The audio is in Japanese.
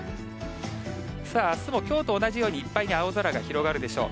さあ、あすもきょうと同じようにいっぱいに青空が広がるでしょう。